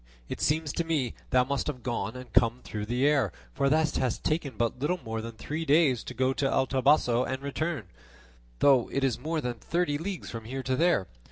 It seems to me thou must have gone and come through the air, for thou hast taken but little more than three days to go to El Toboso and return, though it is more than thirty leagues from here to there.